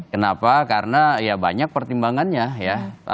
kenapa karena ya banyak pertimbangannya ya